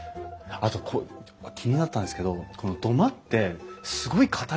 あと気になったんですけどこの土間ってすごい固いじゃないですか。